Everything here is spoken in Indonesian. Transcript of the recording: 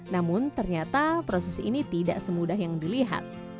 namun ternyata proses ini tidak semudah yang dilihat